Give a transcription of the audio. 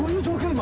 今。